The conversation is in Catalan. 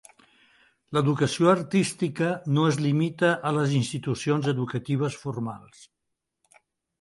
L'educació artística no es limita a les institucions educatives formals.